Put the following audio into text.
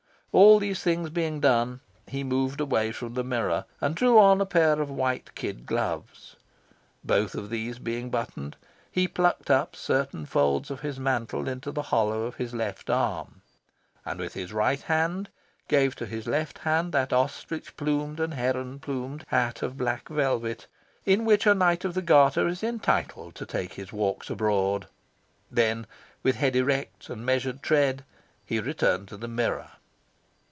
All these things being done, he moved away from the mirror, and drew on a pair of white kid gloves. Both of these being buttoned, he plucked up certain folds of his mantle into the hollow of his left arm, and with his right hand gave to his left hand that ostrich plumed and heron plumed hat of black velvet in which a Knight of the Garter is entitled to take his walks abroad. Then, with head erect, and measured tread, he returned to the mirror.